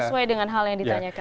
sesuai dengan hal yang ditanyakan